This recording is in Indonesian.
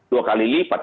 dua kali lipat